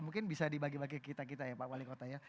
mungkin bisa dibagi bagi kita kita ya pak wali kota ya